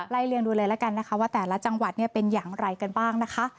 เลียงดูเลยแล้วกันนะคะว่าแต่ละจังหวัดเป็นอย่างไรกันบ้างนะคะ